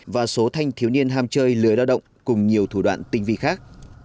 và số thanh thiếu niên ham chơi lười lao động cùng nhiều thủ đoạn tinh vi khác